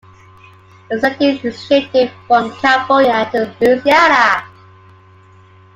The setting is shifted from California to Louisiana.